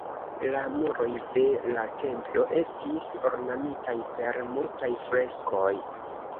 La muroj de la templo estis ornamitaj per multaj freskoj.